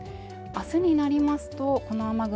あすになりますとこの雨雲